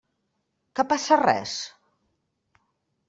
Que passa res?